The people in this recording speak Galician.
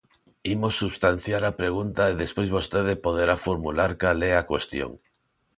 Imos substanciar a pregunta e despois vostede poderá formular cal é a cuestión.